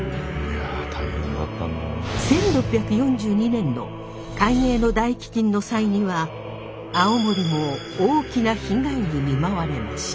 １６４２年の「寛永の大飢饉」の際には青森も大きな被害に見舞われました。